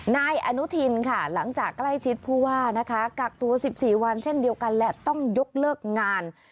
นายอนุทินค่ะหลังจากใกล้ชิดผู้ว่านะคะกักตัว๑๔วันเช่นเดียวกันและต้องยกเลิกงาน